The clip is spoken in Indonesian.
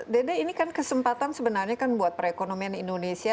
dede ini kesempatan sebenarnya untuk perekonomian indonesia